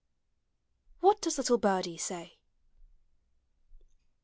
WHAT DOES LITTLE BIRDIE SAY?